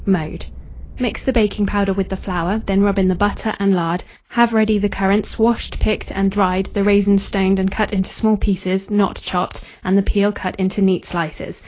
Mode. Mix the baking powder with the flour; then rub in the butter and lard; have ready the currants, washed, picked, and dried the raisins stoned and cut into small pieces (not chopped), and the peel cut into neat slices.